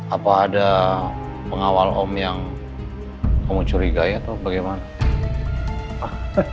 apa ada pengawal om yang kamu curigai atau bagaimana